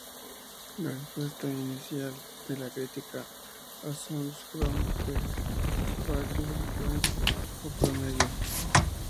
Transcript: La respuesta inicial de la crítica a "Songs From The Sparkle Lounge" fue promedio.